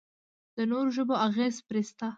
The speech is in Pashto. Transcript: د نورو ژبو اغېز پرې شته.